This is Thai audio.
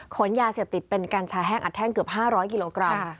ขนยาเสพติดเป็นกัญชาแห้งอัดแท่งเกือบ๕๐๐กิโลกรัม